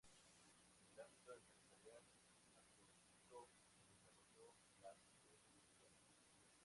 En el ámbito empresarial, acrecentó y desarrolló las empresas familiares.